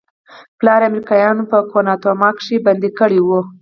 پلار يې امريکايانو په گوانټانامو کښې بندي کړى و.